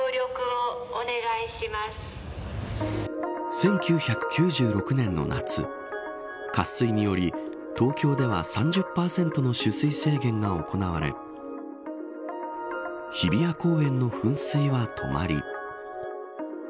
１９９６年の夏渇水により東京では３０％の取水制限が行われ日比谷公園の噴水は止まり。